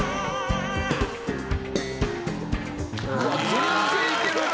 全然いけるなまだ。